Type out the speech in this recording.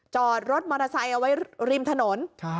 จอดรถมอเตอร์ไซค์เอาไว้ริมถนน